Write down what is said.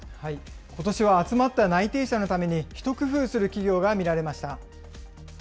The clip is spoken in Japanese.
ことしは集まった内定者のために、一工夫する企業が見られました。